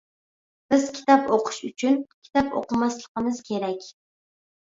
بىز كىتاب ئوقۇش ئۈچۈن كىتاب ئوقۇماسلىقىمىز كېرەك.